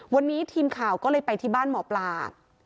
วันนี้ทีมข่าวก็เลยไปที่บ้านหมอปลา